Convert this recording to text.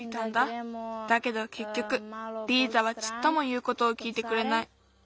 だけどけっきょくリーザはちっともいうことをきいてくれない。